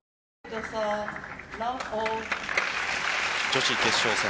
女子決勝戦。